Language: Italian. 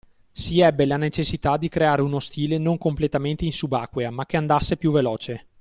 Si ebbe la necessità di creare uno stile non completamente in subacquea ma che andasse più veloce